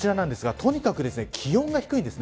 とにかく気温が低いんです。